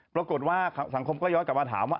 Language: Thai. ปรากฏว่าสังคมก็ย้อนกลับมาถามว่า